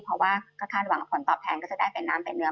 เพราะจะคาดหวังว่าคนตอบแทนก็จะได้เป็นน้ำเป็นเนื้อ